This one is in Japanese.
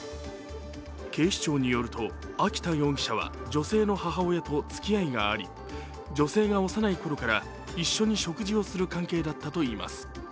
警視庁によると、秋田容疑者は女性の母親とつき合いがあり女性が幼い頃から一緒に食事をする関係だったといいます。